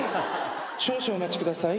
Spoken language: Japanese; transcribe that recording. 少々お待ちください。